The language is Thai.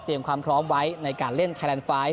เตรียมความพร้อมไว้ในการเล่นไทยแลนด์๕